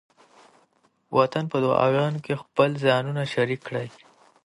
د وطن په دعاګانو کې خپل ځانونه شریک کړئ.